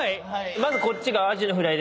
まずこっちがアジのフライで。